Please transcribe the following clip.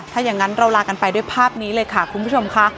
ถ้าอย่างนั้นเราลากันไปด้วยภาพนี้เลยค่ะคุณผู้ชมค่ะ